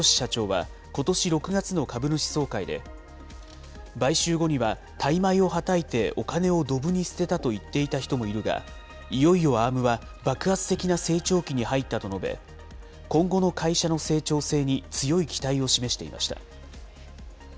孫正義社長はことし６月の株主総会で、買収後には大枚をはたいてお金をドブに捨てたと言っていた人もいるが、いよいよＡｒｍは爆発的な成長期に入ったと述べ、今後の会社の成長性に強い期待を示していました。